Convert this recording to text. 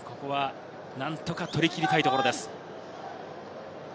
何とか取り切りたいところです。